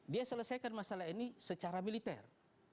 dia selesaikan masalah ini secara militer